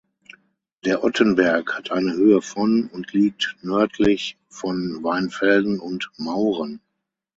Der Ottenberg hat eine Höhe von und liegt nördlich von Weinfelden und Mauren.